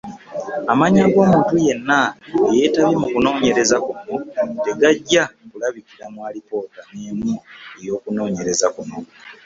Amannya g’omuntu yenna eyeetabye mu kunoonyereza kuno tegajja kulabikira mu alipoota n’emu ey’okunoonyereza kuno.